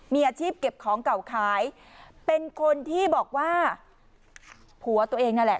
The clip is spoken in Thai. มีอาชีพเก็บของเก่าขายเป็นคนที่บอกว่าผัวตัวเองนั่นแหละ